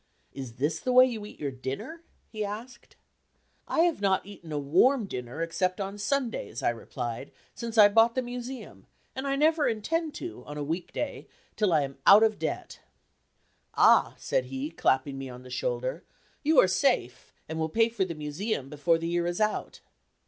"Is this the way you eat your dinner?" he asked. "I have not eaten a warm dinner, except on Sundays," I replied, "since I bought the Museum, and I never intend to, on a week day, till I am out of debt." "Ah!" said he, clapping me on the shoulder, "you are safe, and will pay for the Museum before the year is out."